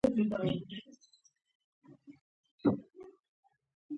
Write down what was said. انګور د افغان ماشومانو د زده کړې موضوع ده.